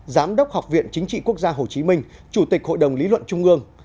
giám đốc học viện chính trị quốc gia hồ chí minh chủ tịch hội đồng lý luận trung ương